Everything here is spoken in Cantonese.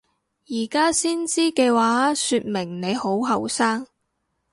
而家先知嘅話說明你好後生！